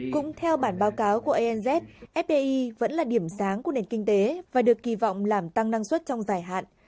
cũng theo bản báo cáo củangz fdi vẫn là điểm sáng của nền kinh tế và được kỳ vọng làm tăng năng suất trong dài hạn